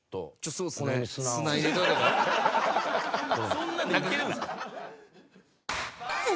そんなんでいけるんですか？